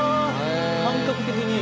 感覚的に。